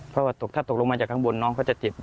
เพราะว่าถ้าตกลงมาจากข้างบนน้องเขาจะเจ็บ